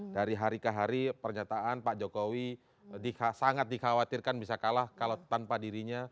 dari hari ke hari pernyataan pak jokowi sangat dikhawatirkan bisa kalah kalau tanpa dirinya